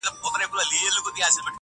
ستا له تنګ نظره جُرم دی ذاهده,